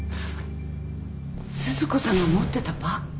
鈴子さんが持ってたバッグ。